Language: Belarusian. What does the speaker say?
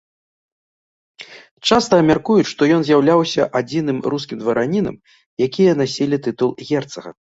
Часта мяркуюць, што ён з'яўляўся адзіным рускім дваранінам, якія насілі тытул герцага.